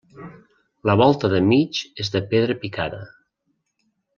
La volta de mig és de pedra picada.